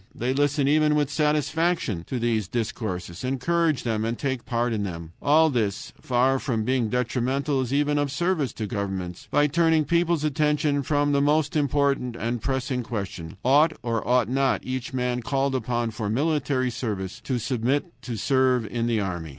They listen even with satisfaction to these discourses, encourage them, and take part in them. All this, far from being detrimental, is even of service to governments, by turning people's attention from the most important and pressing question: Ought or ought not each man called upon for military service to submit to serve in the army?